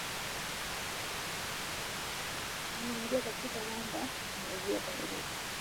Inayoingia katika mwambao mwa Ziwa Tanganyika